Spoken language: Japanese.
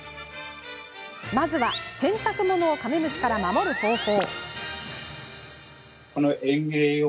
まずは洗濯物をカメムシから守る方法。